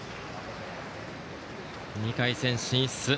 ２回戦進出。